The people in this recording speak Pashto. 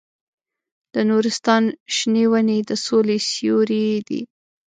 د نورستان شنې ونې د سولې سیوري دي.